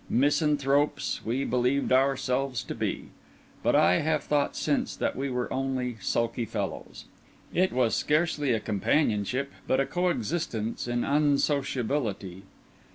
Misanthropes, we believed ourselves to be; but I have thought since that we were only sulky fellows. It was scarcely a companionship, but a coexistence in unsociability.